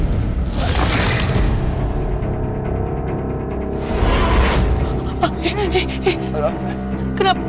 di dunia api kita selalu arsenal